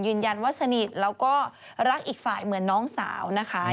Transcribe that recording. ยืนยันว่าสนิทแล้วก็รักอีกฝ่ายเหมือนน้องสาวนะคะ